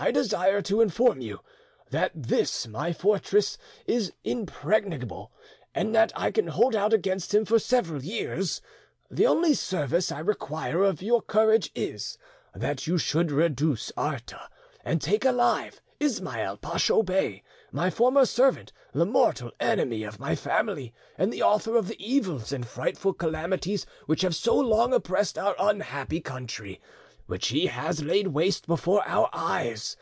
I desire to inform you that this my fortress is impregnable, and that I can hold out against him for several years. The only, service I require of your courage is, that you should reduce Arta, and take alive Ismail Pacho Bey, my former servant, the mortal enemy of my family, and the author of the evils and frightful calamities which have so long oppressed our unhappy country, which he has laid waste before our eyes.